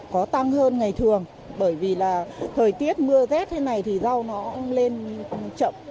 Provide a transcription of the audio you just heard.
có tăng hơn ngày thường bởi vì là thời tiết mưa rét thế này thì rau nó lên chậm